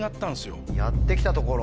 やって来たところ。